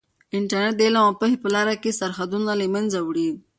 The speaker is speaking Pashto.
انټرنیټ د علم او پوهې په لاره کې سرحدونه له منځه وړي.